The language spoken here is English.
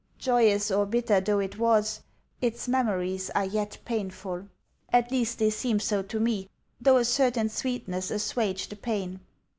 Joyous or bitter though it was, its memories are yet painful. At least they seem so to me, though a certain sweetness assuaged the pain.